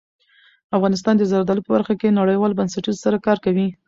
افغانستان د زردالو په برخه کې نړیوالو بنسټونو سره کار کوي.